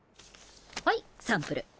はいサンプル。